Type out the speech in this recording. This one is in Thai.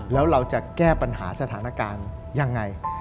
แล้วเราจะแก้ปัญหาสถานการณ์ยังไง